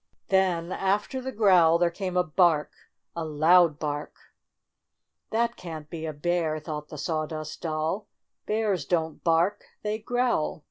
THE BIRTHDAY PARTY 61 Then, after the growl, there came a bark — a loud bark. "That can't be a bear!" thought the Sawdust Doll. "Bears don't bark — they growl.